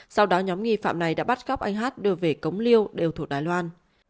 sau đó nhóm nghi phạm này đã bắt cóc anh hát đưa về cống liêu đều thuộc đài loan